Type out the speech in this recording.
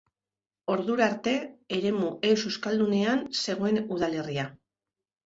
Ordura arte eremu ez-euskaldunean zegoen udalerria.